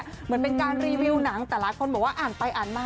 เหมือนเป็นการรีวิวหนังแต่หลายคนบอกว่าอ่านไปอ่านมา